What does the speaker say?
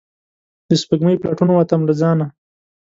د سپوږمۍ په لټون ووتم له ځانه